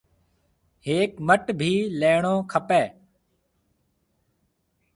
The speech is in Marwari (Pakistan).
ھيَََڪ مَٽ ڀِي ليڻو کپيَ۔